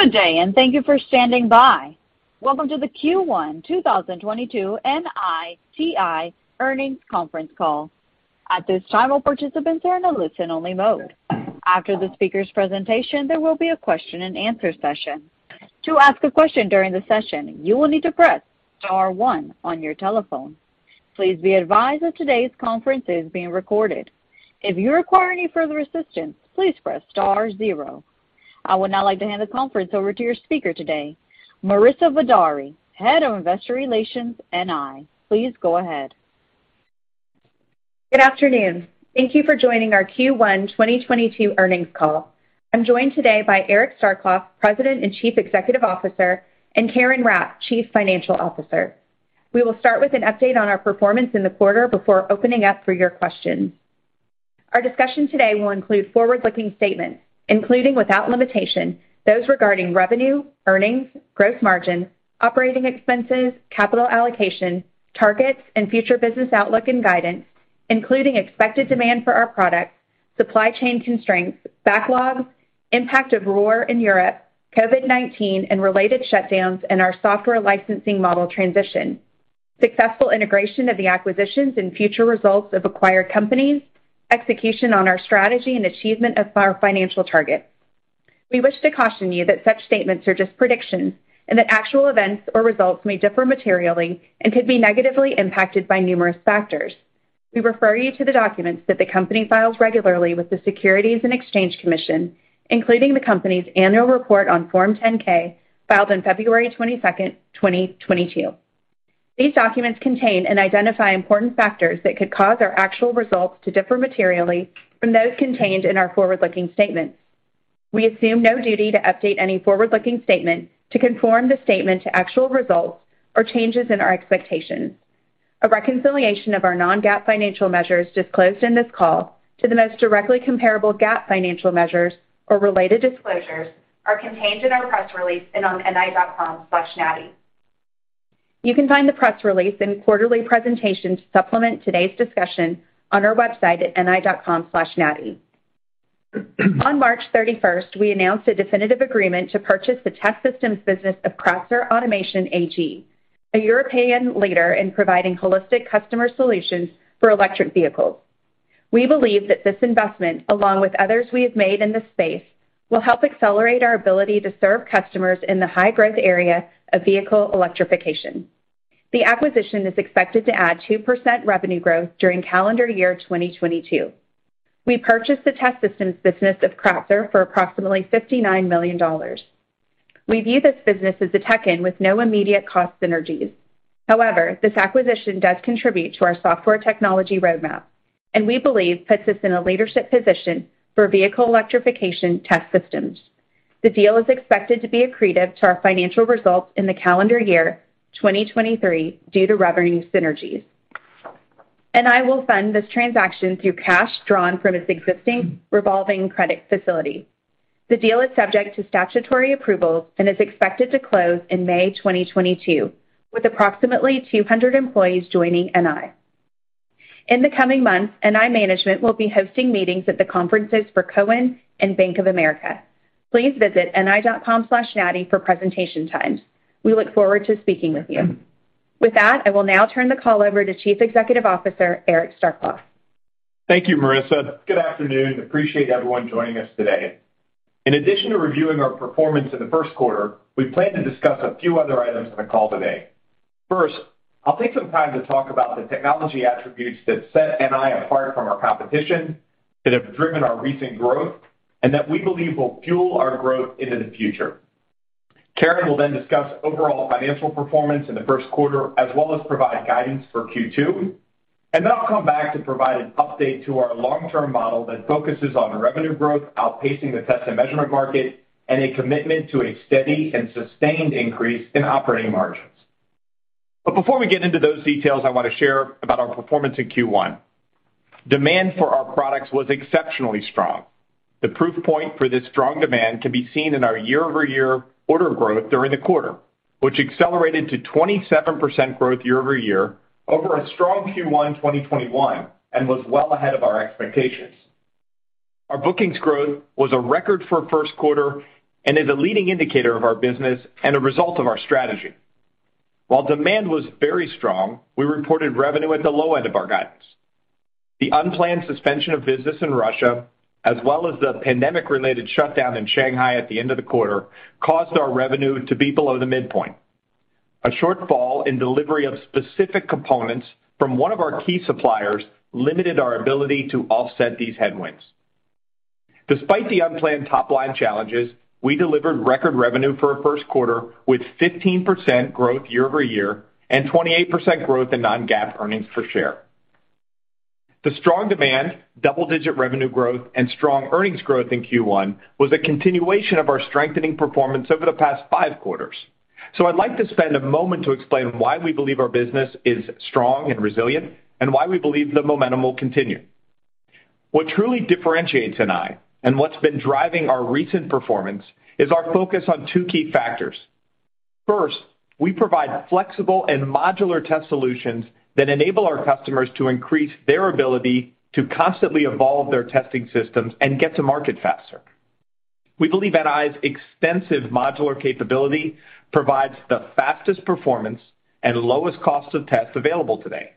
Good day, and thank you for standing by. Welcome to the Q1 2022 NATI Earnings Conference Call. At this time, all participants are in a listen-only mode. After the speaker's presentation, there will be a question and answer session. To ask a question during the session, you will need to press star one on your telephone. Please be advised that today's conference is being recorded. If you require any further assistance, please press star zero. I would now like to hand the conference over to your speaker today, Marissa Vidaurri, Head of Investor Relations, NI. Please go ahead. Good afternoon. Thank you for joining our Q1 2022 earnings call. I'm joined today by Eric Starkloff, President and Chief Executive Officer, and Karen Rapp, Chief Financial Officer. We will start with an update on our performance in the quarter before opening up for your questions. Our discussion today will include forward-looking statements, including, without limitation, those regarding revenue, earnings, gross margin, operating expenses, capital allocation, targets and future business outlook and guidance, including expected demand for our products, supply chain constraints, backlogs, impact of war in Europe, COVID-19 and related shutdowns, and our software licensing model transition, successful integration of the acquisitions and future results of acquired companies, execution on our strategy and achievement of our financial targets. We wish to caution you that such statements are just predictions and that actual events or results may differ materially and could be negatively impacted by numerous factors. We refer you to the documents that the company files regularly with the Securities and Exchange Commission, including the company's annual report on Form 10-K, filed on February 22nd, 2022. These documents contain and identify important factors that could cause our actual results to differ materially from those contained in our forward-looking statements. We assume no duty to update any forward-looking statement to conform the statement to actual results or changes in our expectations. A reconciliation of our non-GAAP financial measures disclosed in this call to the most directly comparable GAAP financial measures or related disclosures are contained in our press release and on ni.com/nati. You can find the press release and quarterly presentation to supplement today's discussion on our website at ni.com/nati. On March 31st, we announced a definitive agreement to purchase the test systems business of Kratzer Automation AG, a European leader in providing holistic customer solutions for electric vehicles. We believe that this investment, along with others we have made in this space, will help accelerate our ability to serve customers in the high-growth area of vehicle electrification. The acquisition is expected to add 2% revenue growth during calendar year 2022. We purchased the test systems business of Kratzer for approximately $59 million. We view this business as a tuck-in with no immediate cost synergies. However, this acquisition does contribute to our software technology roadmap and we believe puts us in a leadership position for vehicle electrification test systems. The deal is expected to be accretive to our financial results in the calendar year 2023 due to revenue synergies. NI will fund this transaction through cash drawn from its existing revolving credit facility. The deal is subject to statutory approvals and is expected to close in May 2022, with approximately 200 employees joining NI. In the coming months, NI management will be hosting meetings at the conferences for Cowen and Bank of America. Please visit ni.com/nati for presentation times. We look forward to speaking with you. With that, I will now turn the call over to Chief Executive Officer, Eric Starkloff. Thank you, Marissa. Good afternoon. Appreciate everyone joining us today. In addition to reviewing our performance in the first quarter, we plan to discuss a few other items on the call today. First, I'll take some time to talk about the technology attributes that set NI apart from our competition, that have driven our recent growth and that we believe will fuel our growth into the future. Karen will then discuss overall financial performance in the first quarter, as well as provide guidance for Q2. Then I'll come back to provide an update to our long-term model that focuses on revenue growth outpacing the test and measurement market, and a commitment to a steady and sustained increase in operating margins. Before we get into those details, I wanna share about our performance in Q1. Demand for our products was exceptionally strong. The proof point for this strong demand can be seen in our year-over-year order growth during the quarter, which accelerated to 27% growth year-over-year over a strong Q1 2021, and was well ahead of our expectations. Our bookings growth was a record for a first quarter and is a leading indicator of our business and a result of our strategy. While demand was very strong, we reported revenue at the low end of our guidance. The unplanned suspension of business in Russia, as well as the pandemic-related shutdown in Shanghai at the end of the quarter, caused our revenue to be below the midpoint. A shortfall in delivery of specific components from one of our key suppliers limited our ability to offset these headwinds. Despite the unplanned top-line challenges, we delivered record revenue for a first quarter, with 15% growth year-over-year and 28% growth in non-GAAP earnings per share. The strong demand, double-digit revenue growth, and strong earnings growth in Q1 was a continuation of our strengthening performance over the past five quarters. I'd like to spend a moment to explain why we believe our business is strong and resilient, and why we believe the momentum will continue. What truly differentiates NI, and what's been driving our recent performance, is our focus on two key factors. First, we provide flexible and modular test solutions that enable our customers to increase their ability to constantly evolve their testing systems and get to market faster. We believe NI's extensive modular capability provides the fastest performance and lowest cost of test available today.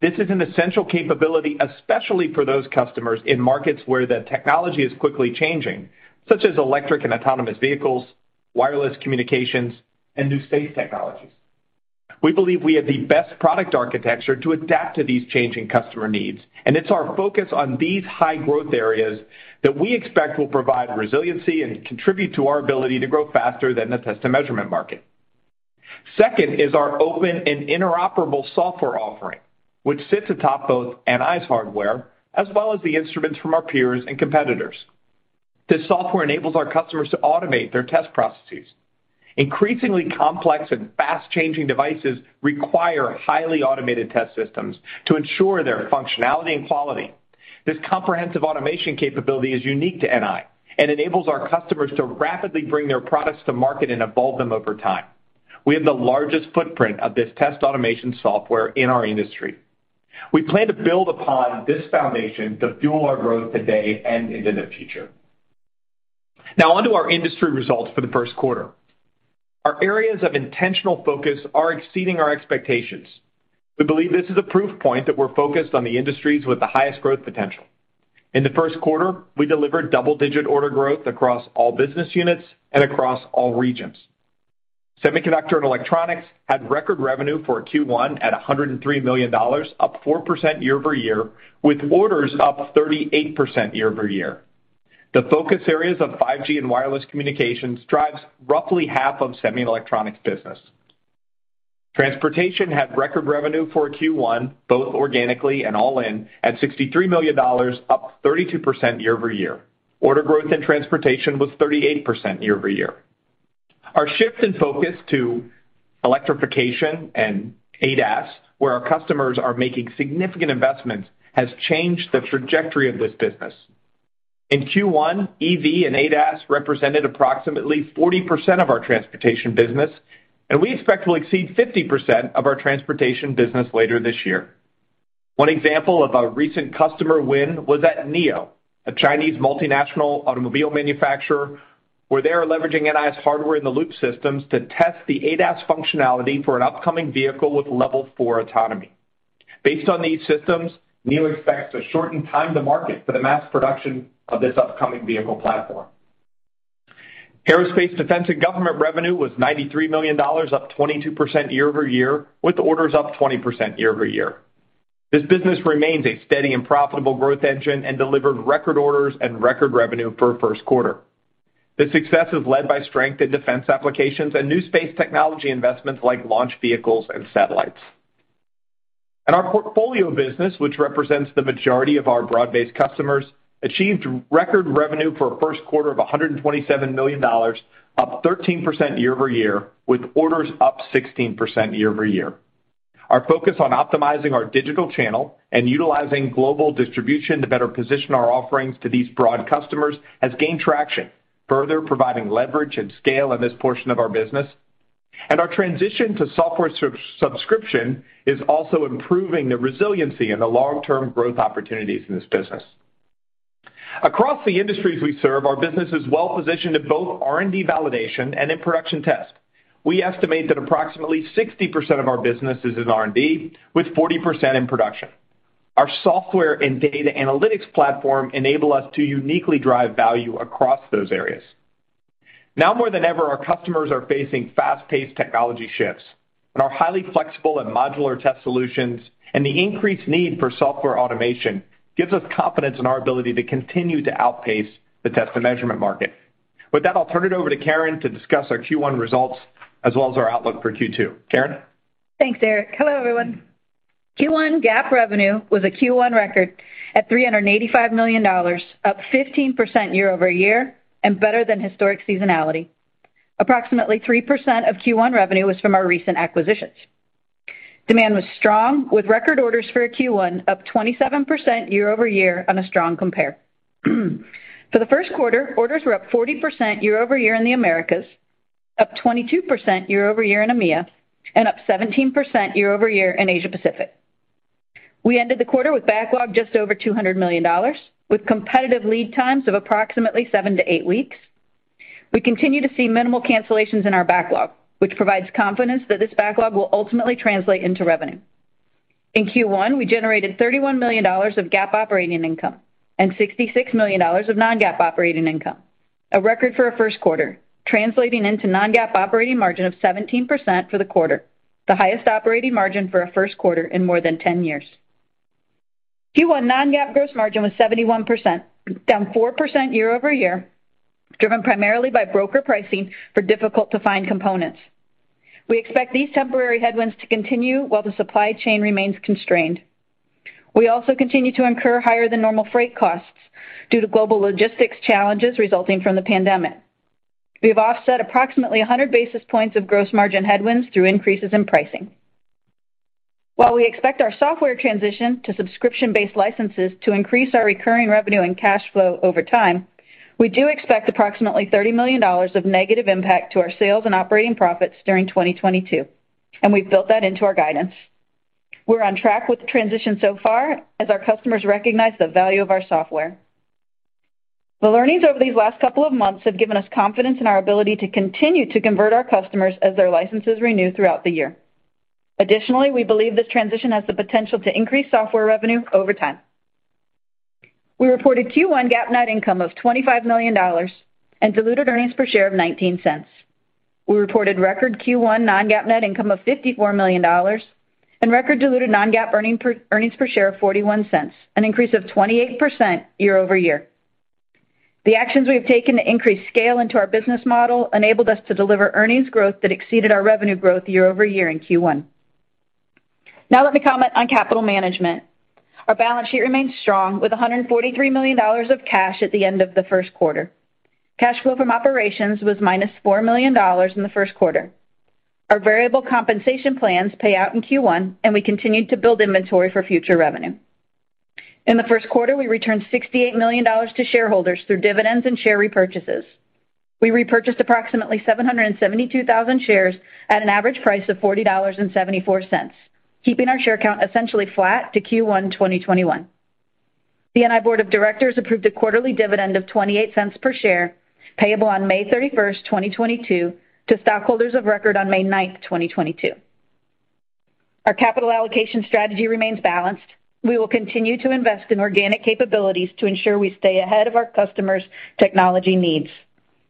This is an essential capability, especially for those customers in markets where the technology is quickly changing, such as electric and autonomous vehicles, wireless communications, and new space technologies. We believe we have the best product architecture to adapt to these changing customer needs, and it's our focus on these high-growth areas that we expect will provide resiliency and contribute to our ability to grow faster than the test and measurement market. Second is our open and interoperable software offering, which sits atop both NI's hardware as well as the instruments from our peers and competitors. This software enables our customers to automate their test processes. Increasingly complex and fast-changing devices require highly automated test systems to ensure their functionality and quality. This comprehensive automation capability is unique to NI and enables our customers to rapidly bring their products to market and evolve them over time. We have the largest footprint of this test automation software in our industry. We plan to build upon this foundation to fuel our growth today and into the future. Now on to our industry results for the first quarter. Our areas of intentional focus are exceeding our expectations. We believe this is a proof point that we're focused on the industries with the highest growth potential. In the first quarter, we delivered double-digit order growth across all business units and across all regions. Semiconductor and Electronics had record revenue for a Q1 at $103 million, up 4% year-over-year, with orders up 38% year-over-year. The focus areas of 5G and wireless communications drives roughly half of semi and electronics business. Transportation had record revenue for a Q1, both organically and all in, at $63 million, up 32% year-over-year. Order growth in transportation was 38% year-over-year. Our shift in focus to electrification and ADAS, where our customers are making significant investments, has changed the trajectory of this business. In Q1, EV and ADAS represented approximately 40% of our transportation business, and we expect to exceed 50% of our transportation business later this year. One example of a recent customer win was at NIO, a Chinese multinational automobile manufacturer, where they are leveraging NI's hardware in the loop systems to test the ADAS functionality for an upcoming vehicle with level four autonomy. Based on these systems, NIO expects to shorten time to market for the mass production of this upcoming vehicle platform. Aerospace, defense, and government revenue was $93 million, up 22% year-over-year, with orders up 20% year-over-year. This business remains a steady and profitable growth engine and delivered record orders and record revenue for a first quarter. This success is led by strength in defense applications and new space technology investments like launch vehicles and satellites. Our portfolio business, which represents the majority of our broad-based customers, achieved record revenue for a first quarter of $127 million, up 13% year-over-year, with orders up 16% year-over-year. Our focus on optimizing our digital channel and utilizing global distribution to better position our offerings to these broad customers has gained traction, further providing leverage and scale in this portion of our business. Our transition to software subscription is also improving the resiliency and the long-term growth opportunities in this business. Across the industries we serve, our business is well positioned in both R&D validation and in production test. We estimate that approximately 60% of our business is in R&D, with 40% in production. Our software and data analytics platform enable us to uniquely drive value across those areas. Now more than ever, our customers are facing fast-paced technology shifts, and our highly flexible and modular test solutions and the increased need for software automation gives us confidence in our ability to continue to outpace the test and measurement market. With that, I'll turn it over to Karen to discuss our Q1 results as well as our outlook for Q2. Karen? Thanks, Eric. Hello, everyone. Q1 GAAP revenue was a Q1 record at $385 million, up 15% year-over-year and better than historic seasonality. Approximately 3% of Q1 revenue was from our recent acquisitions. Demand was strong, with record orders for a Q1 up 27% year-over-year on a strong compare. For the first quarter, orders were up 40% year-over-year in the Americas, up 22% year-over-year in EMEA, and up 17% year-over-year in Asia Pacific. We ended the quarter with backlog just over $200 million, with competitive lead times of approximately seven to eight weeks. We continue to see minimal cancellations in our backlog, which provides confidence that this backlog will ultimately translate into revenue. In Q1, we generated $31 million of GAAP operating income and $66 million of non-GAAP operating income, a record for a first quarter, translating into non-GAAP operating margin of 17% for the quarter, the highest operating margin for a first quarter in more than 10 years. Q1 non-GAAP gross margin was 71%, down 4% year-over-year, driven primarily by broker pricing for difficult-to-find components. We expect these temporary headwinds to continue while the supply chain remains constrained. We also continue to incur higher than normal freight costs due to global logistics challenges resulting from the pandemic. We have offset approximately 100 basis points of gross margin headwinds through increases in pricing. While we expect our software transition to subscription-based licenses to increase our recurring revenue and cash flow over time, we do expect approximately $30 million of negative impact to our sales and operating profits during 2022, and we've built that into our guidance. We're on track with the transition so far as our customers recognize the value of our software. The learnings over these last couple of months have given us confidence in our ability to continue to convert our customers as their licenses renew throughout the year. Additionally, we believe this transition has the potential to increase software revenue over time. We reported Q1 GAAP net income of $25 million and diluted earnings per share of $0.19. We reported record Q1 non-GAAP net income of $54 million and record diluted non-GAAP earnings per share of $0.41, an increase of 28% year-over-year. The actions we have taken to increase scale into our business model enabled us to deliver earnings growth that exceeded our revenue growth year-over-year in Q1. Now let me comment on capital management. Our balance sheet remains strong with $143 million of cash at the end of the first quarter. Cash flow from operations was -$4 million in the first quarter. Our variable compensation plans pay out in Q1, and we continued to build inventory for future revenue. In the first quarter, we returned $68 million to shareholders through dividends and share repurchases. We repurchased approximately 772,000 shares at an average price of $40.74, keeping our share count essentially flat to Q1 2021. NI board of directors approved a quarterly dividend of $0.28 per share payable on May 31st, 2022, to stockholders of record on May 9th, 2022. Our capital allocation strategy remains balanced. We will continue to invest in organic capabilities to ensure we stay ahead of our customers' technology needs.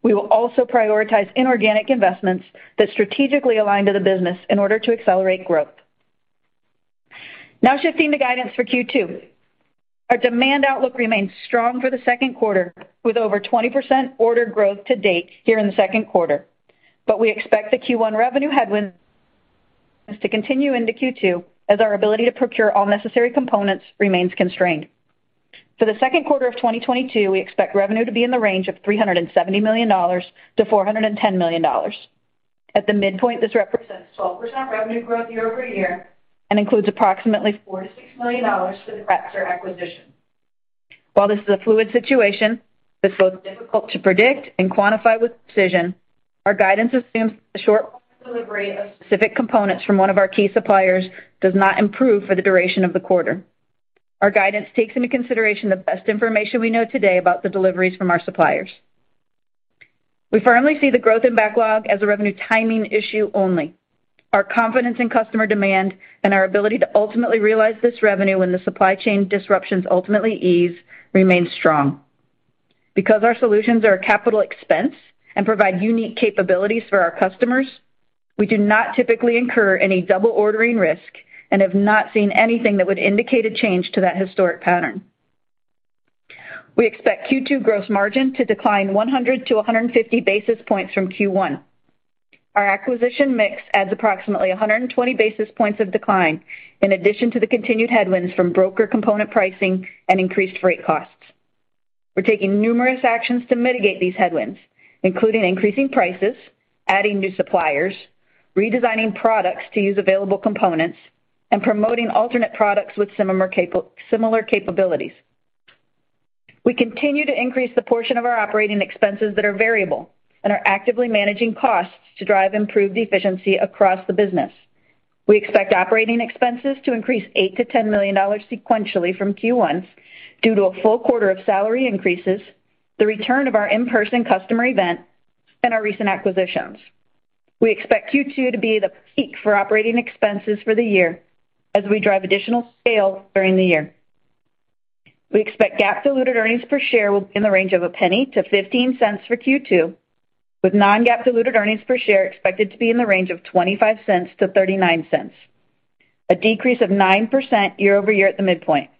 We will also prioritize inorganic investments that strategically align to the business in order to accelerate growth. Now shifting to guidance for Q2. Our demand outlook remains strong for the second quarter, with over 20% order growth to date here in the second quarter. We expect the Q1 revenue headwinds to continue into Q2 as our ability to procure all necessary components remains constrained. For the second quarter of 2022, we expect revenue to be in the range of $370 million-$410 million. At the midpoint, this represents 12% revenue growth year-over-year and includes approximately $4 million-$6 million for the Kratzer acquisition. While this is a fluid situation that's both difficult to predict and quantify with precision, our guidance assumes the short delivery of specific components from one of our key suppliers does not improve for the duration of the quarter. Our guidance takes into consideration the best information we know today about the deliveries from our suppliers. We firmly see the growth in backlog as a revenue timing issue only. Our confidence in customer demand and our ability to ultimately realize this revenue when the supply chain disruptions ultimately ease remains strong. Because our solutions are a capital expense and provide unique capabilities for our customers, we do not typically incur any double ordering risk and have not seen anything that would indicate a change to that historic pattern. We expect Q2 gross margin to decline 100-150 basis points from Q1. Our acquisition mix adds approximately 120 basis points of decline in addition to the continued headwinds from broader component pricing and increased freight costs. We're taking numerous actions to mitigate these headwinds, including increasing prices, adding new suppliers, redesigning products to use available components, and promoting alternate products with similar capabilities. We continue to increase the portion of our operating expenses that are variable and are actively managing costs to drive improved efficiency across the business. We expect operating expenses to increase $8-$10 million sequentially from Q1 due to a full quarter of salary increases, the return of our in-person customer event, and our recent acquisitions. We expect Q2 to be the peak for operating expenses for the year as we drive additional sales during the year. We expect GAAP diluted earnings per share will be in the range of $0.01-$0.15 for Q2, with non-GAAP diluted earnings per share expected to be in the range of $0.25-$0.39, a decrease of 9% year over year at the midpoint.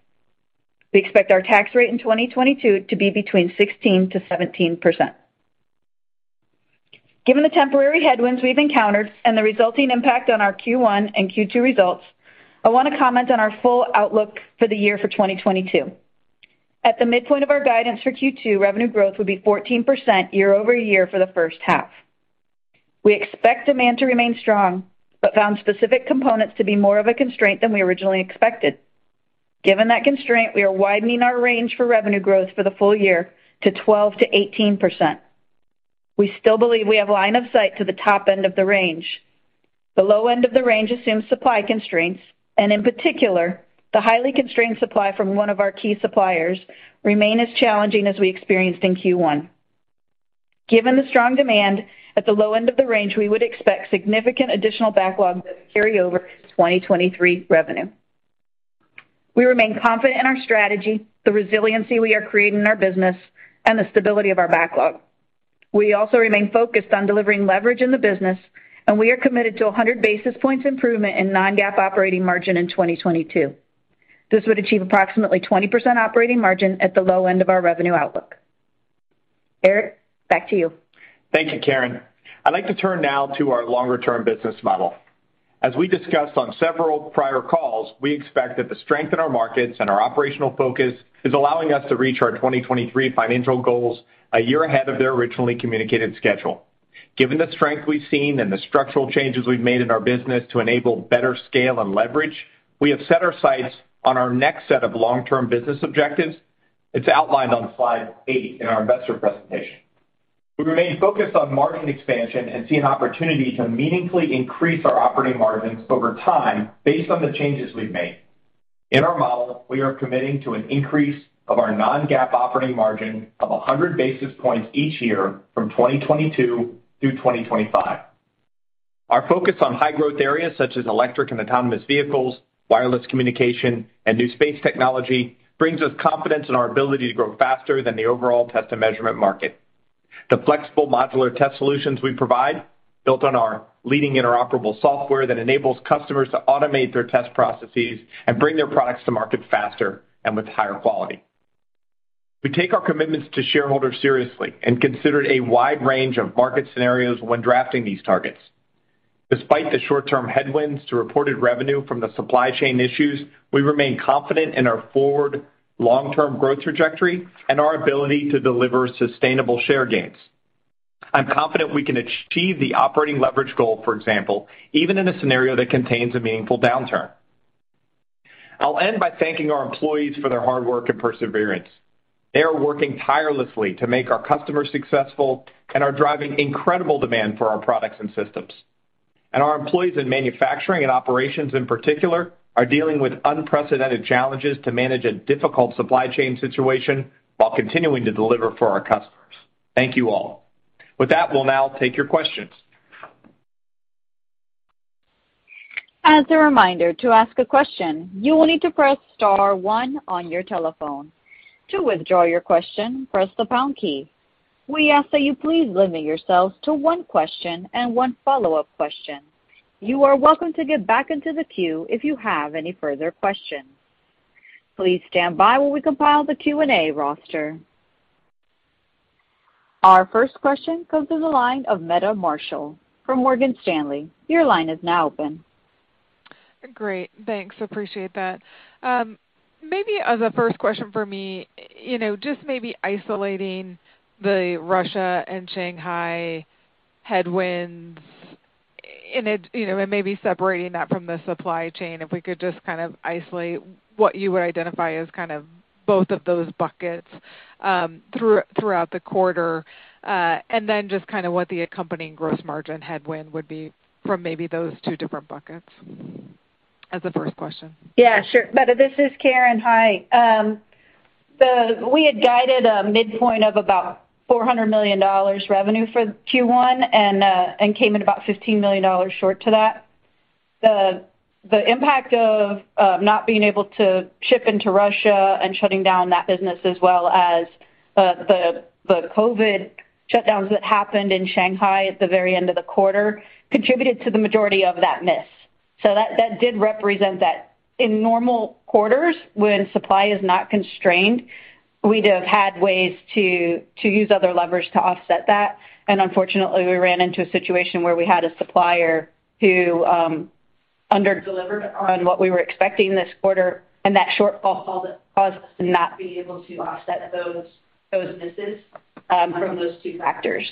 We expect our tax rate in 2022 to be between 16%-17%. Given the temporary headwinds we've encountered and the resulting impact on our Q1 and Q2 results, I want to comment on our full outlook for the year for 2022. At the midpoint of our guidance for Q2, revenue growth would be 14% year-over-year for the first half. We expect demand to remain strong, but found specific components to be more of a constraint than we originally expected. Given that constraint, we are widening our range for revenue growth for the full year to 12%-18%. We still believe we have line of sight to the top end of the range. The low end of the range assumes supply constraints, and in particular, the highly constrained supply from one of our key suppliers remain as challenging as we experienced in Q1. Given the strong demand at the low end of the range, we would expect significant additional backlog to carry over to 2023 revenue. We remain confident in our strategy, the resiliency we are creating in our business, and the stability of our backlog. We also remain focused on delivering leverage in the business, and we are committed to 100 basis points improvement in non-GAAP operating margin in 2022. This would achieve approximately 20% operating margin at the low end of our revenue outlook. Eric, back to you. Thank you, Karen. I'd like to turn now to our longer term business model. As we discussed on several prior calls, we expect that the strength in our markets and our operational focus is allowing us to reach our 2023 financial goals a year ahead of their originally communicated schedule. Given the strength we've seen and the structural changes we've made in our business to enable better scale and leverage, we have set our sights on our next set of long-term business objectives. It's outlined on Slide 8 in our investor presentation. We remain focused on margin expansion and seeing opportunity to meaningfully increase our operating margins over time based on the changes we've made. In our model, we are committing to an increase of our non-GAAP operating margin of 100 basis points each year from 2022 through 2025. Our focus on high-growth areas such as electric and autonomous vehicles, wireless communication, and new space technology brings us confidence in our ability to grow faster than the overall test and measurement market. The flexible modular test solutions we provide built on our leading interoperable software that enables customers to automate their test processes and bring their products to market faster and with higher quality. We take our commitments to shareholders seriously and considered a wide range of market scenarios when drafting these targets. Despite the short-term headwinds to reported revenue from the supply chain issues, we remain confident in our forward long-term growth trajectory and our ability to deliver sustainable share gains. I'm confident we can achieve the operating leverage goal, for example, even in a scenario that contains a meaningful downturn. I'll end by thanking our employees for their hard work and perseverance. They are working tirelessly to make our customers successful and are driving incredible demand for our products and systems. Our employees in manufacturing and operations, in particular, are dealing with unprecedented challenges to manage a difficult supply chain situation while continuing to deliver for our customers. Thank you all. With that, we'll now take your questions. As a reminder, to ask a question, you will need to press star one on your telephone. To withdraw your question, press the pound key. We ask that you please limit yourselves to one question and one follow-up question. You are welcome to get back into the queue if you have any further questions. Please stand by while we compile the Q&A roster. Our first question comes to the line of Meta Marshall from Morgan Stanley. Your line is now open. Great. Thanks. Appreciate that. Maybe as a first question for me, you know, just maybe isolating the Russia and Shanghai headwinds and, you know, and maybe separating that from the supply chain, if we could just kind of isolate what you would identify as kind of both of those buckets throughout the quarter, and then just kind of what the accompanying gross margin headwind would be from maybe those two different buckets as a first question. Yeah, sure. Meta, this is Karen. Hi. We had guided a midpoint of about $400 million revenue for Q1 and came in about $15 million short to that. The impact of not being able to ship into Russia and shutting down that business as well as the COVID shutdowns that happened in Shanghai at the very end of the quarter contributed to the majority of that miss. That did represent that. In normal quarters, when supply is not constrained, we'd have had ways to use other levers to offset that. Unfortunately, we ran into a situation where we had a supplier who under-delivered on what we were expecting this quarter, and that shortfall caused us to not be able to offset those misses from those two factors.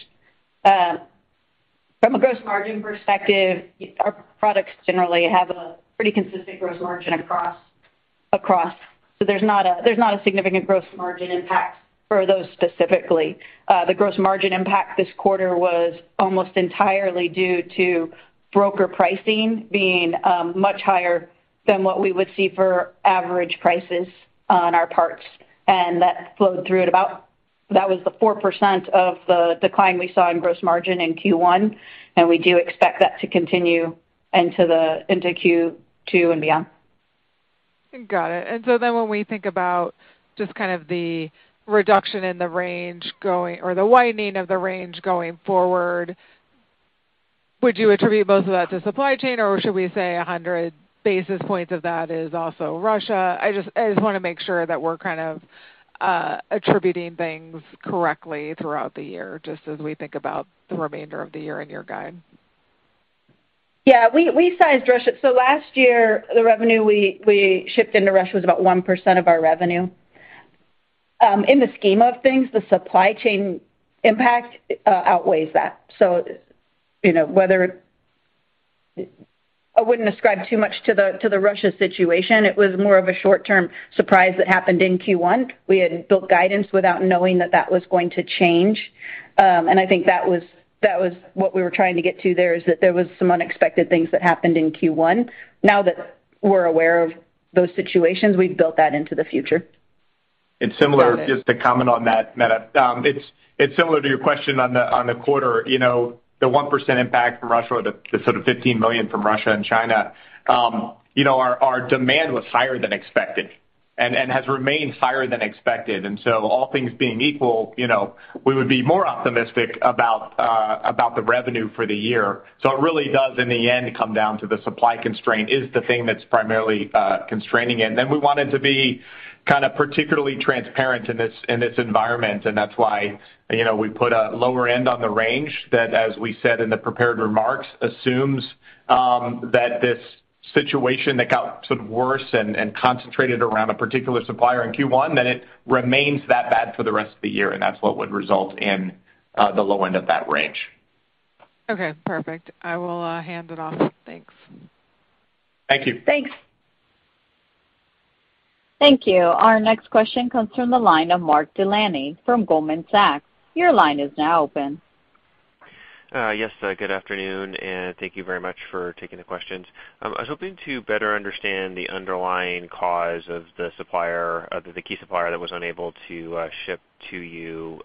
From a gross margin perspective, our products generally have a pretty consistent gross margin across. There's not a significant gross margin impact for those specifically. The gross margin impact this quarter was almost entirely due to broker pricing being much higher than what we would see for average prices on our parts. That flowed through. That was the 4% of the decline we saw in gross margin in Q1, and we do expect that to continue into Q2 and beyond. Got it. When we think about just kind of the reduction in the range going or the widening of the range going forward, would you attribute most of that to supply chain, or should we say 100 basis points of that is also Russia? I just wanna make sure that we're kind of attributing things correctly throughout the year, just as we think about the remainder of the year in your guide. Yeah. We sized Russia. Last year, the revenue we shipped into Russia was about 1% of our revenue. In the scheme of things, the supply chain impact outweighs that. You know, I wouldn't ascribe too much to the Russia situation. It was more of a short-term surprise that happened in Q1. We had built guidance without knowing that that was going to change. I think that was what we were trying to get to. There is that there was some unexpected things that happened in Q1. Now that we're aware of those situations, we've built that into the future. And similar- Got it. Just to comment on that, Meta. It's similar to your question on the quarter. You know, the 1% impact from Russia or the sort of $15 million from Russia and China, you know, our demand was higher than expected and has remained higher than expected. All things being equal, you know, we would be more optimistic about the revenue for the year. It really does, in the end, come down to the supply constraint is the thing that's primarily constraining. We wanted to be kind of particularly transparent in this environment, and that's why, you know, we put a lower end on the range that, as we said in the prepared remarks, assumes that this situation that got sort of worse and concentrated around a particular supplier in Q1, then it remains that bad for the rest of the year, and that's what would result in the low end of that range. Okay, perfect. I will hand it off. Thanks. Thank you. Thanks. Thank you. Our next question comes from the line of Mark Delaney from Goldman Sachs. Your line is now open. Yes, good afternoon, and thank you very much for taking the questions. I was hoping to better understand the underlying cause of the key supplier that was unable to ship to you.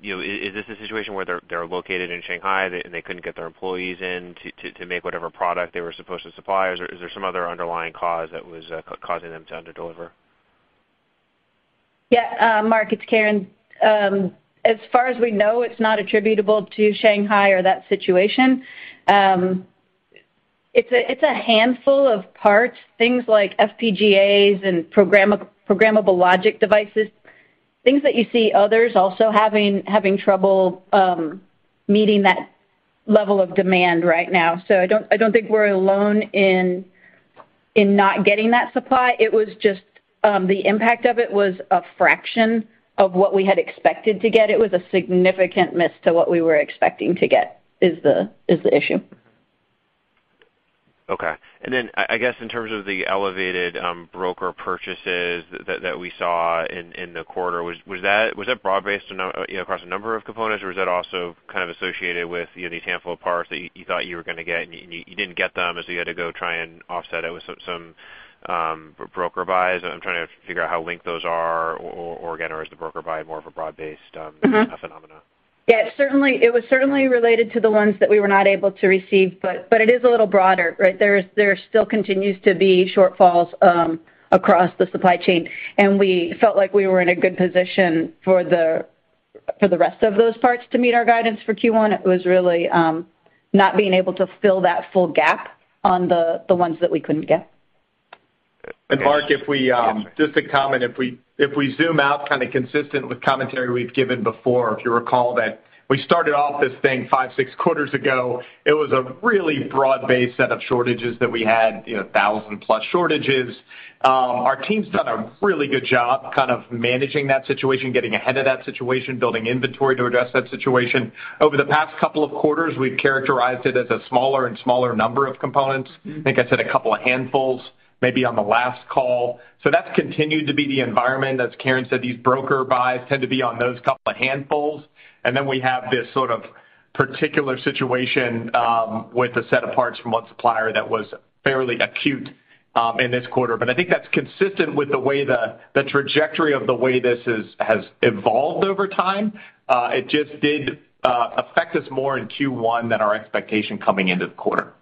You know, is this a situation where they're located in Shanghai, and they couldn't get their employees in to make whatever product they were supposed to supply? Or is there some other underlying cause that was causing them to underdeliver? Yeah, Mark, it's Karen. As far as we know, it's not attributable to Shanghai or that situation. It's a handful of parts, things like FPGAs and programmable logic devices, things that you see others also having trouble meeting that level of demand right now. I don't think we're alone in not getting that supply. It was just the impact of it was a fraction of what we had expected to get. It was a significant miss to what we were expecting to get is the issue. Okay. I guess in terms of the elevated broker purchases that we saw in the quarter, was that broad-based, you know, across a number of components, or was that also kind of associated with, you know, these handful of parts that you thought you were gonna get and you didn't get them, and so you had to go try and offset it with some broker buys? I'm trying to figure out how linked those are or, again, is the broker buy more of a broad-based, Mm-hmm a phenomenon. Yeah, it was certainly related to the ones that we were not able to receive, but it is a little broader, right? There still continues to be shortfalls across the supply chain. We felt like we were in a good position for the rest of those parts to meet our guidance for Q1. It was really not being able to fill that full gap on the ones that we couldn't get. Mark, if we just to comment, if we zoom out kind of consistent with commentary we've given before, if you recall that we started off this thing five, six quarters ago. It was a really broad-based set of shortages that we had, you know, 1,000+ shortages. Our team's done a really good job kind of managing that situation, getting ahead of that situation, building inventory to address that situation. Over the past couple of quarters, we've characterized it as a smaller and smaller number of components. I think I said a couple of handfuls maybe on the last call. That's continued to be the environment. As Karen said, these broker buys tend to be on those couple of handfuls. We have this sort of particular situation with a set of parts from one supplier that was fairly acute in this quarter. I think that's consistent with the way the trajectory of the way this is has evolved over time. It just did affect us more in Q1 than our expectation coming into the quarter.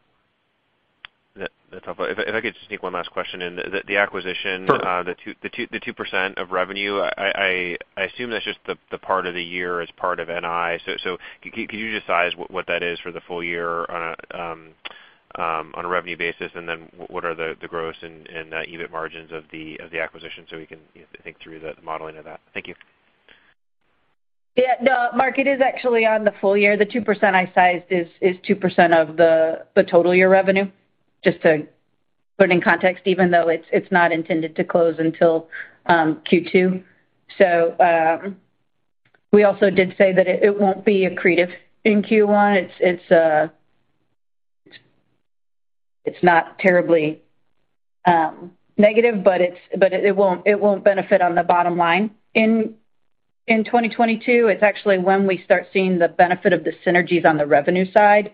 That's helpful. If I could just sneak one last question in. The acquisition- Sure. The 2% of revenue, I assume that's just the part of the year as part of NI. Could you just size what that is for the full year on a revenue basis? Then what are the gross and EBIT margins of the acquisition so we can, you know, think through the modeling of that? Thank you. Yeah, no, Mark, it is actually on the full year. The 2% I sized is 2% of the total year revenue, just to put it in context, even though it's not intended to close until Q2. We also did say that it won't be accretive in Q1. It's not terribly negative, but it won't benefit on the bottom line. In 2022, it's actually when we start seeing the benefit of the synergies on the revenue side,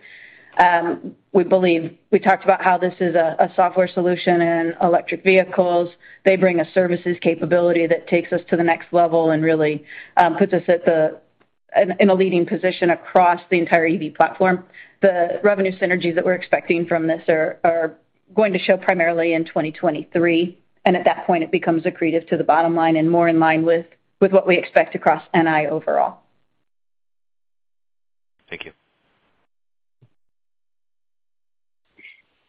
we believe. We talked about how this is a software solution in electric vehicles. They bring a services capability that takes us to the next level and really puts us in a leading position across the entire EV platform. The revenue synergies that we're expecting from this are going to show primarily in 2023, and at that point it becomes accretive to the bottom line and more in line with what we expect across NI overall. Thank you.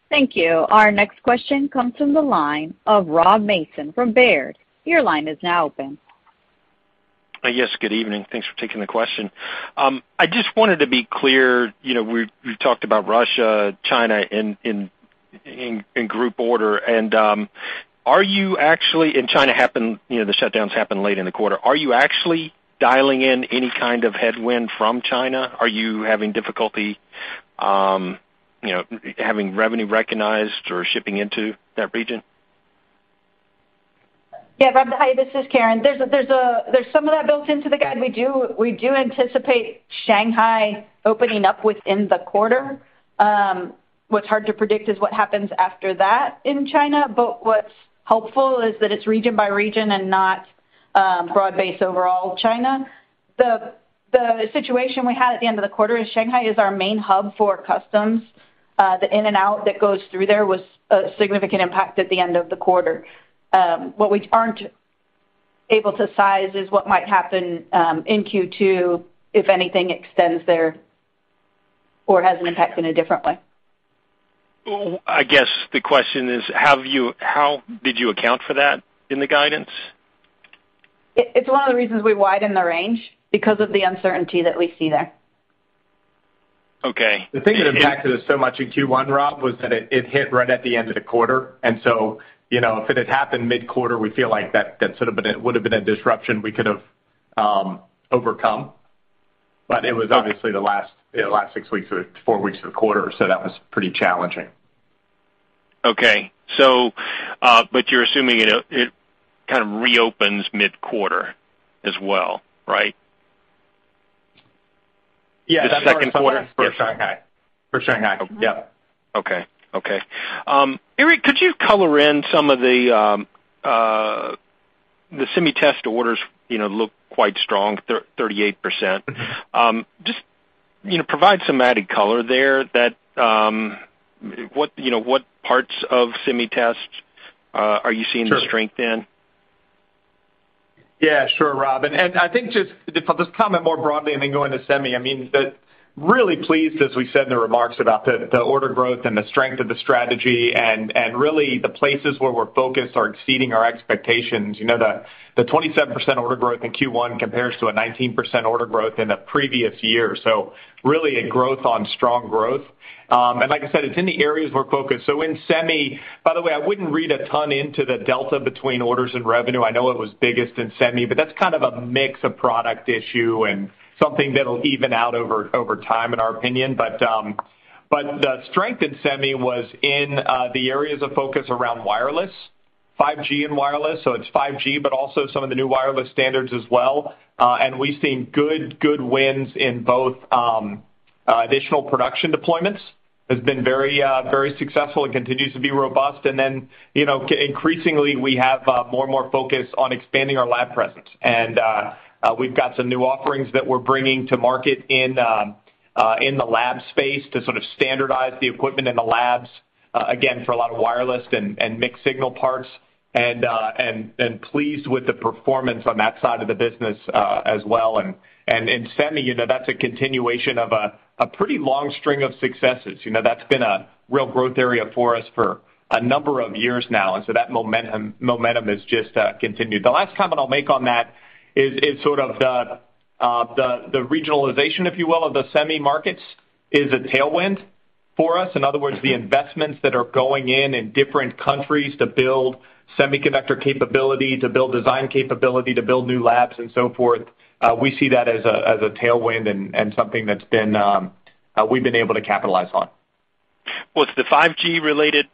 Thank you. Our next question comes from the line of Rob Mason from Baird. Your line is now open. Yes, good evening. Thanks for taking the question. I just wanted to be clear, you know, we've talked about Russia, China in group order, and China happened, you know, the shutdowns happened late in the quarter. Are you actually dialing in any kind of headwind from China? Are you having difficulty, you know, having revenue recognized or shipping into that region? Yeah, Rob, hi, this is Karen. There's some of that built into the guide. We do anticipate Shanghai opening up within the quarter. What's hard to predict is what happens after that in China. What's hopeful is that it's region by region and not broad-based overall China. The situation we had at the end of the quarter is Shanghai is our main hub for customs. The in and out that goes through there was a significant impact at the end of the quarter. What we aren't able to size is what might happen in Q2 if anything extends there or has an impact in a different way. I guess the question is, how did you account for that in the guidance? It's one of the reasons we widened the range because of the uncertainty that we see there. Okay. The thing that impacted us so much in Q1, Rob, was that it hit right at the end of the quarter. You know, if it had happened mid-quarter, we feel like that would have been a disruption we could have overcome. It was obviously the last, you know, last six weeks or four weeks of the quarter. That was pretty challenging. Okay. You're assuming it kind of reopens mid-quarter as well, right? Yeah. The second quarter? For Shanghai, yep. Okay, Eric, could you color in some of the semi test orders, you know, look quite strong, 38%. Mm-hmm. Just, you know, provide some added color there that what parts of semi tests are you seeing? Sure the strength in? Yeah, sure, Rob. I think just comment more broadly and then go into semi. I mean, really pleased, as we said in the remarks about the order growth and the strength of the strategy and really the places where we're focused are exceeding our expectations. You know, the 27% order growth in Q1 compares to a 19% order growth in the previous year. Really a growth on strong growth. Like I said, it's in the areas we're focused. In semi. By the way, I wouldn't read a ton into the delta between orders and revenue. I know it was biggest in semi, but that's kind of a mix of product issue and something that'll even out over time, in our opinion. The strength in semi was in the areas of focus around wireless, 5G and wireless, so it's 5G, but also some of the new wireless standards as well. We've seen good wins in both additional production deployments. Has been very successful and continues to be robust. You know, increasingly, we have more and more focus on expanding our lab presence. We've got some new offerings that we're bringing to market in the lab space to sort of standardize the equipment in the labs, again, for a lot of wireless and mixed signal parts. Pleased with the performance on that side of the business, as well. In semi, you know, that's a continuation of a pretty long string of successes. You know, that's been a real growth area for us for a number of years now. That momentum has just continued. The last comment I'll make on that is sort of the regionalization, if you will, of the semi markets is a tailwind for us. In other words, the investments that are going in in different countries to build semiconductor capability, to build design capability, to build new labs and so forth, we see that as a tailwind and something that's been, we've been able to capitalize on. Was the 5G related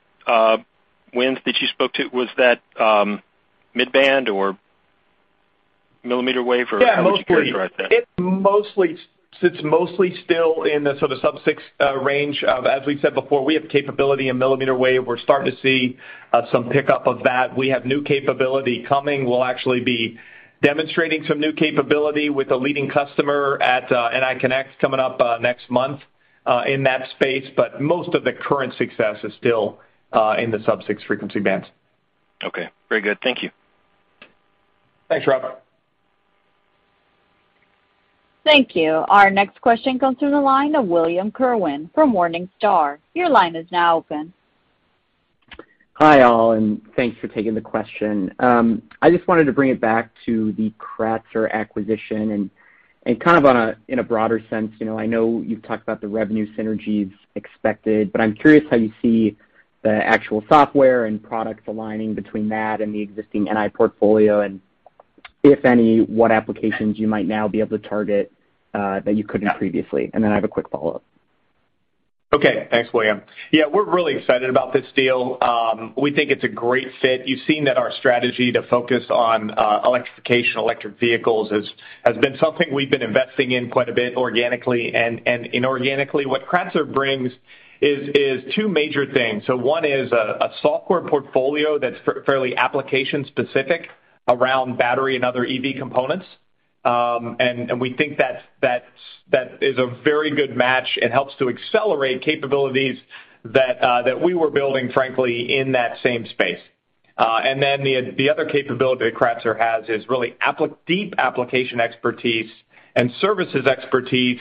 wins that you spoke to, was that, mid-band or millimeter wave or- Yeah, mostly. How would you characterize that? It mostly sits still in the sort of sub-six range of, as we said before, we have capability in millimeter wave. We're starting to see some pickup of that. We have new capability coming. We'll actually be demonstrating some new capability with a leading customer at NI Connect coming up next month in that space. Most of the current success is still in the sub-six frequency bands. Okay. Very good. Thank you. Thanks, Rob. Thank you. Our next question comes through the line of William Kerwin from Morningstar. Your line is now open. Hi, all, and thanks for taking the question. I just wanted to bring it back to the Kratzer acquisition and kind of in a broader sense. You know, I know you've talked about the revenue synergies expected, but I'm curious how you see the actual software and products aligning between that and the existing NI portfolio. If any, what applications you might now be able to target that you couldn't previously. I have a quick follow-up. Okay. Thanks, William. Yeah, we're really excited about this deal. We think it's a great fit. You've seen that our strategy to focus on electrification, electric vehicles has been something we've been investing in quite a bit organically and inorganically. What Kratzer brings is two major things. One is a software portfolio that's fairly application specific around battery and other EV components. We think that is a very good match. It helps to accelerate capabilities that we were building, frankly, in that same space. The other capability that Kratzer has is really deep application expertise and services expertise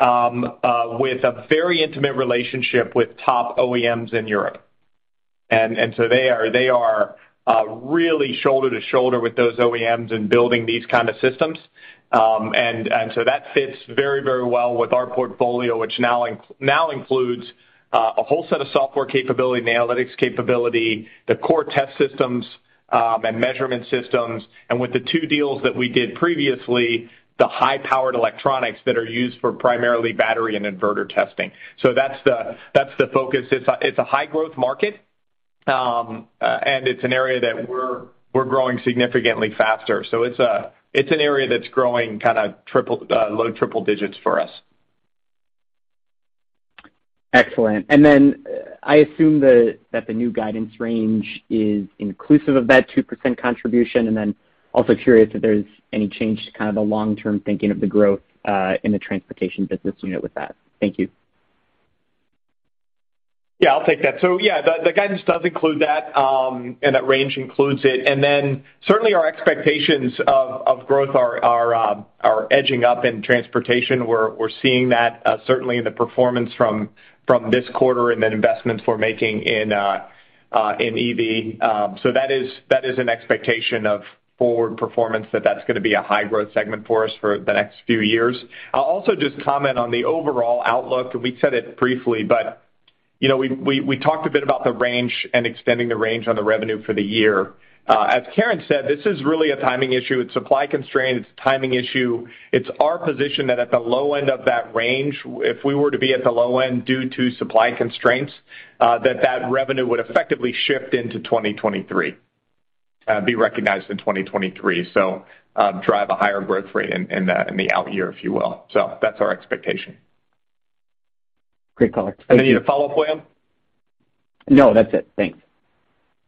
with a very intimate relationship with top OEMs in Europe. They are really shoulder to shoulder with those OEMs in building these kind of systems. That fits very, very well with our portfolio, which now includes a whole set of software capability and analytics capability, the core test systems, and measurement systems. With the two deals that we did previously, the high-powered electronics that are used for primarily battery and inverter testing. That's the focus. It's a high growth market, and it's an area that we're growing significantly faster. It's an area that's growing kinda low triple digits for us. Excellent. Then I assume the new guidance range is inclusive of that 2% contribution. Then also curious if there's any change to kind of the long-term thinking of the growth in the transportation business unit with that. Thank you. Yeah, I'll take that. Yeah, the guidance does include that, and that range includes it. Then certainly our expectations of growth are. We're edging up in transportation. We're seeing that certainly in the performance from this quarter and the investments we're making in EV. That is an expectation of forward performance, that's gonna be a high-growth segment for us for the next few years. I'll also just comment on the overall outlook, and we said it briefly, but you know, we talked a bit about the range and extending the range on the revenue for the year. As Karen said, this is really a timing issue. It's supply constraint. It's a timing issue. It's our position that at the low end of that range, if we were to be at the low end due to supply constraints, that revenue would effectively shift into 2023, be recognized in 2023. Drive a higher growth rate in the out year, if you will. That's our expectation. Great, Colin. Any follow up, William? No, that's it. Thanks.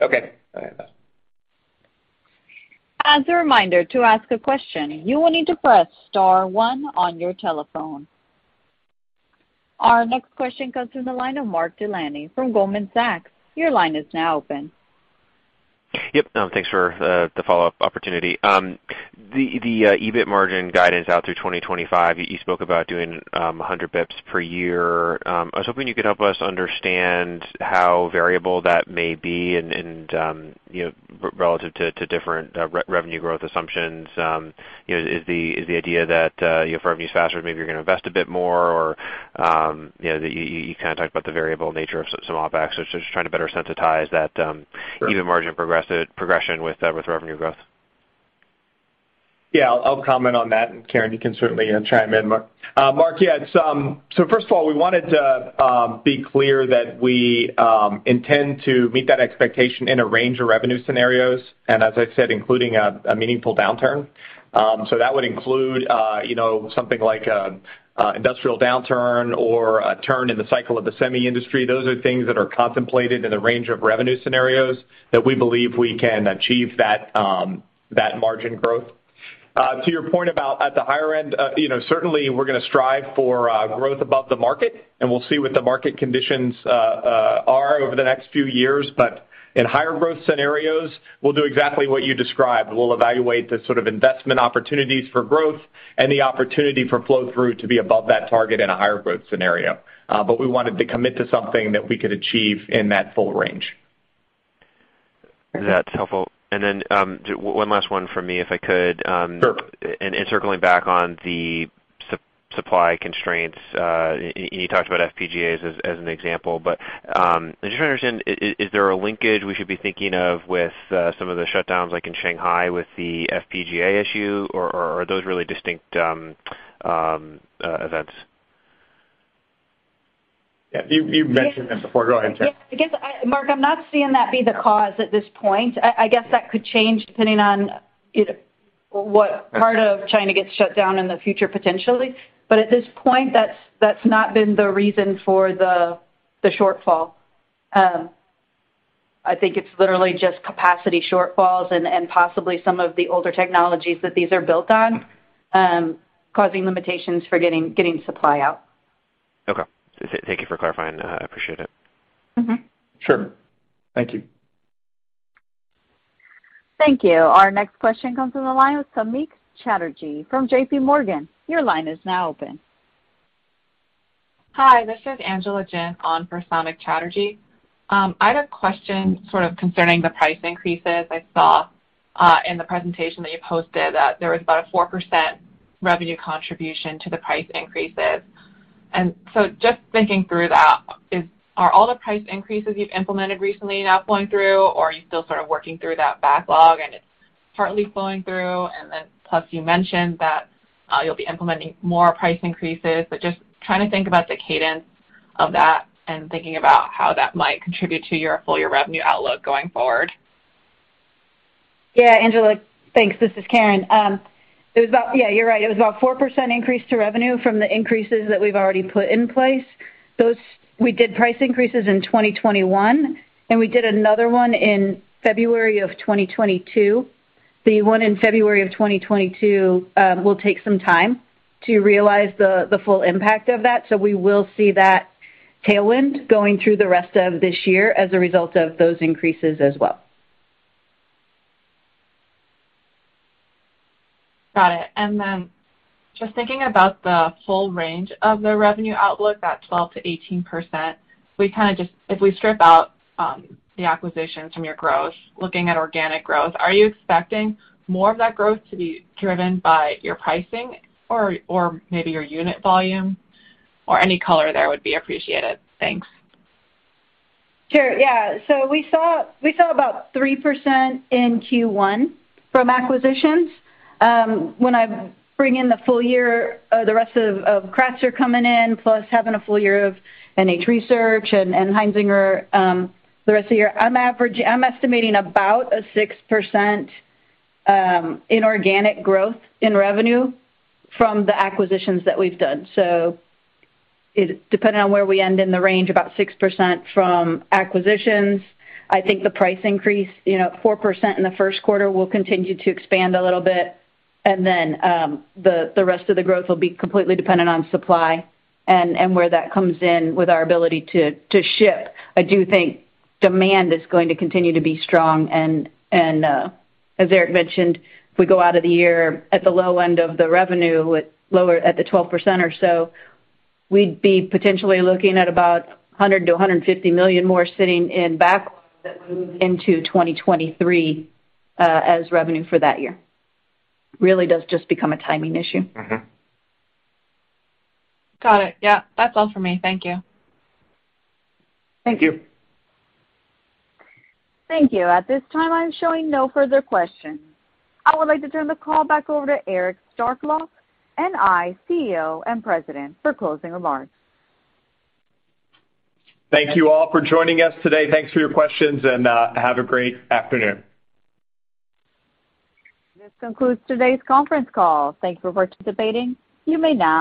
Okay. All right, bye. As a reminder, to ask a question, you will need to press star one on your telephone. Our next question comes from the line of Mark Delaney from Goldman Sachs. Your line is now open. Yep. Thanks for the follow-up opportunity. The EBIT margin guidance out through 2025, you spoke about doing 100 basis points per year. I was hoping you could help us understand how variable that may be and you know, relative to different revenue growth assumptions. You know, is the idea that you know, if our revenue's faster, maybe you're gonna invest a bit more, or you know, you kind of talked about the variable nature of some OpEx. Just trying to better sensitize that. Sure. EBIT margin progression with revenue growth. Yeah, I'll comment on that, and Karen, you can certainly chime in. Mark, yeah, so first of all, we wanted to be clear that we intend to meet that expectation in a range of revenue scenarios, and as I said, including a meaningful downturn. That would include you know, something like industrial downturn or a turn in the cycle of the semi industry. Those are things that are contemplated in the range of revenue scenarios that we believe we can achieve that margin growth. To your point about at the higher end, you know, certainly we're gonna strive for growth above the market, and we'll see what the market conditions are over the next few years. In higher growth scenarios, we'll do exactly what you described. We'll evaluate the sort of investment opportunities for growth and the opportunity for flow through to be above that target in a higher growth scenario. We wanted to commit to something that we could achieve in that full range. That's helpful. One last one for me, if I could. Sure. Circling back on the supply constraints, and you talked about FPGAs as an example, but I'm just trying to understand is there a linkage we should be thinking of with some of the shutdowns like in Shanghai with the FPGA issue or are those really distinct events? Yeah. You mentioned this before. Go ahead, Karen. Yes. I guess, Mark, I'm not seeing that be the cause at this point. I guess that could change depending on what part of China gets shut down in the future, potentially. At this point, that's not been the reason for the shortfall. I think it's literally just capacity shortfalls and possibly some of the older technologies that these are built on, causing limitations for getting supply out. Okay. Thank you for clarifying. I appreciate it. Mm-hmm. Sure. Thank you. Thank you. Our next question comes from the line with Samik Chatterjee from JP Morgan. Your line is now open. Hi, this is Angela Jin on for Samik Chatterjee. I had a question sort of concerning the price increases. I saw in the presentation that you posted that there was about a 4% revenue contribution to the price increases. Just thinking through that is, are all the price increases you've implemented recently now flowing through, or are you still sort of working through that backlog and it's partly flowing through? Plus you mentioned that you'll be implementing more price increases, but just trying to think about the cadence of that and thinking about how that might contribute to your full year revenue outlook going forward. Yeah, Angela. Thanks. This is Karen. Yeah, you're right. It was about 4% increase to revenue from the increases that we've already put in place. Those, we did price increases in 2021, and we did another one in February of 2022. The one in February of 2022 will take some time to realize the full impact of that. We will see that tailwind going through the rest of this year as a result of those increases as well. Got it. Just thinking about the full range of the revenue outlook, that 12%-18%, we kinda just, if we strip out the acquisitions from your growth, looking at organic growth, are you expecting more of that growth to be driven by your pricing or maybe your unit volume? Any color there would be appreciated. Thanks. Sure. Yeah. We saw about 3% in Q1 from acquisitions. When I bring in the full year, the rest of Kratzer coming in, plus having a full year of NH Research and Heinzinger, the rest of the year, I'm estimating about a 6% inorganic growth in revenue from the acquisitions that we've done. It, depending on where we end in the range, about 6% from acquisitions. I think the price increase, you know, 4% in the first quarter will continue to expand a little bit, and then, the rest of the growth will be completely dependent on supply and where that comes in with our ability to ship. I do think demand is going to continue to be strong and as Eric mentioned, if we go out of the year at the low end of the revenue, lower at the 12% or so, we'd be potentially looking at about $100 million-$150 million more sitting in backlog that move into 2023 as revenue for that year. Really does just become a timing issue. Mm-hmm. Got it. Yeah. That's all for me. Thank you. Thank you. Thank you. At this time, I'm showing no further questions. I would like to turn the call back over to Eric Starkloff, NI's CEO and president for closing remarks. Thank you all for joining us today. Thanks for your questions, and have a great afternoon. This concludes today's conference call. Thank you for participating. You may now disconnect.